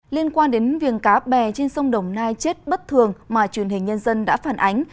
liên quan đến viên cá bè trên sông đồng nai chết bất thường mà truyền hình nhân dân đã phản ánh